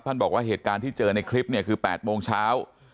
บอกว่าเหตุการณ์ที่เจอในคลิปเนี่ยคือ๘โมงเช้า